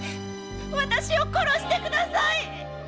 〔私を殺してください！